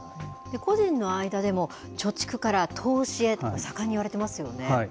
個人の間でも、貯蓄から投資へと盛んにいわれてますよね。